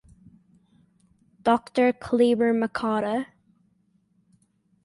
Doctor Kleber Machado.